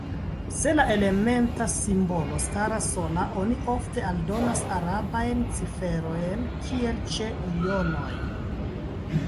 Se la elementa simbolo staras sola, oni ofte aldonas arabajn ciferojn kiel ĉe jonoj.